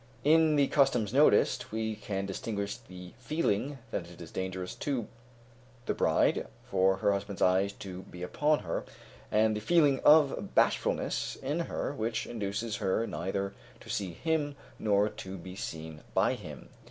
In the customs noticed, we can distinguish the feeling that it is dangerous to the bride for her husband's eyes to be upon her, and the feeling of bashfulness in her which induces her neither to see him nor to be seen by him.